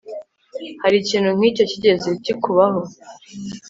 Hari ikintu nkicyo cyigeze kikubaho